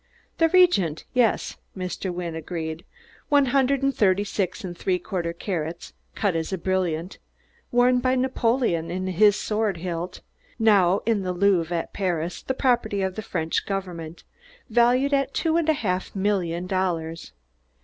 "The Regent, yes," Mr. Wynne agreed; "one hundred and thirty six and three quarter carats, cut as a brilliant, worn by Napoleon in his sword hilt, now in the Louvre at Paris, the property of the French Government valued at two and a half million dollars."